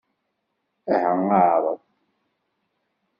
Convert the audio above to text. Aha, ɛreḍ.